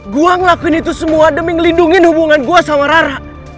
gua ngelakuin itu semua demi melindungi hubungan gue sama rara